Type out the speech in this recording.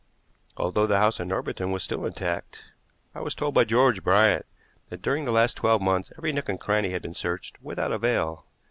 Although the house at Norbiton was still intact, I was told by George Bryant that during the last twelve months every nook and cranny had been searched without avail.